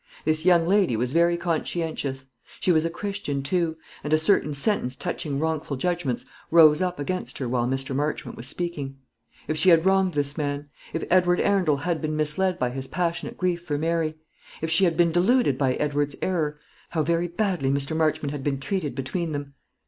This young lady was very conscientious. She was a Christian, too; and a certain sentence touching wrongful judgments rose up against her while Mr. Marchmont was speaking. If she had wronged this man; if Edward Arundel has been misled by his passionate grief for Mary; if she had been deluded by Edward's error, how very badly Mr. Marchmont had been treated between them!